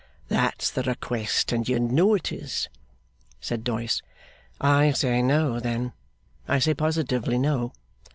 'That's the request, and you know it is,' said Doyce. 'I say, No, then. I say positively, No.